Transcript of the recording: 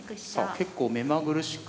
結構目まぐるしく。